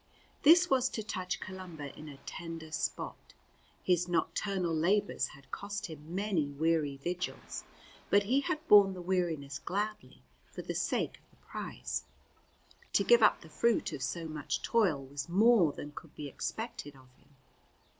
This was to touch Columba in a tender spot. His nocturnal labours had cost him many weary vigils, but he had borne the weariness gladly for the sake of the prize to give up the fruit of so much toil was more than could be expected of him.